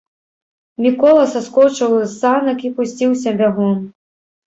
Мікола саскочыў з санак і пусціўся бягом.